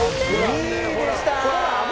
２位でした！